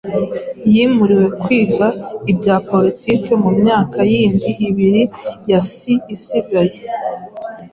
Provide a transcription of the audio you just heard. yimuriwe kwiga ibya Politiki mu myaka yindi ibiri yasi isigaye.